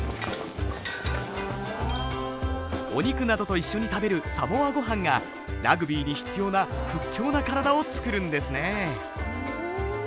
お肉などと一緒に食べるサモアご飯がラグビーに必要な屈強な体を作るんですね。